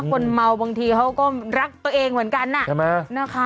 คนเมาบางทีเขาก็รักตัวเองเหมือนกันใช่ไหมนะคะ